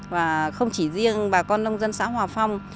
và không chỉ riêng bà con nông dân xã hòa phong